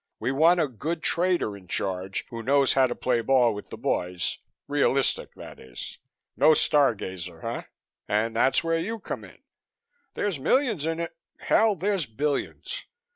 We want a good trader in charge, who knows how to play ball with the boys, realistic that is. No star gazer, eh? And that's where you come in. There's millions in it. Hell! there's billions.